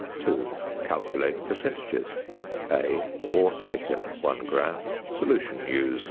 2. Calculate percentages: (a) Ore taken, 1 gram. Solution used, 65.